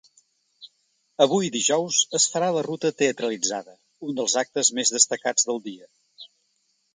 Avui, dijous, es farà la ruta teatralitzada, un dels actes més destacats del dia.